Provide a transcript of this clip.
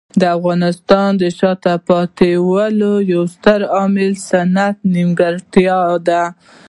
د افغانستان د شاته پاتې والي یو ستر عامل صنعتي نیمګړتیاوې دي.